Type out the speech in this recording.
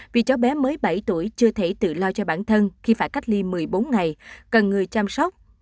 vì cháu bé mới bảy tuổi chưa thể tự lo cho bản thân khi phải cách ly một mươi bốn ngày cần người chăm sóc